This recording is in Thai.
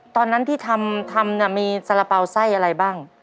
ตอนนั้นที่ทำมีสาระเป๋าไส้อะไรบ้าง